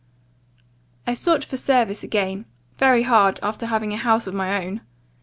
"'I sought for a service again very hard, after having a house of my own!